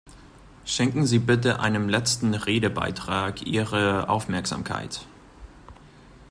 Schenken Sie bitte einem letzten Redebeitrag Ihre Aufmerksamkeit.